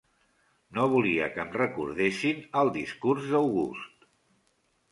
No volia que em recordessin el discurs d'August.